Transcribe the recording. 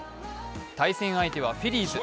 対戦相手はフィリーズ。